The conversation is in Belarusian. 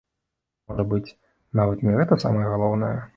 Можа быць, нават не гэта самае галоўнае.